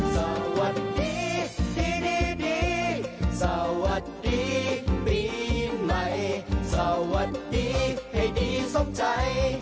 สวัสดีปีใหม่สวัสดีให้ดีทรงใจ